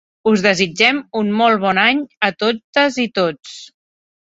Us desitgem un molt bon any a totes i tots.